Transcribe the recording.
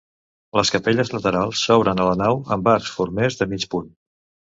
Les capelles laterals s'obren a la nau amb arcs formers de mig punt.